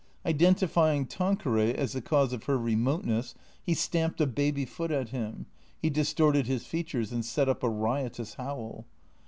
Identifying Tanqueray as the cause of her remoteness, he stamped a baby foot at him ; he distorted his features and set up a riotous howl.